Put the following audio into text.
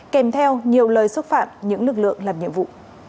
kèm theo nhiều lời xúc phạm những lực lượng làm nhiệm vụ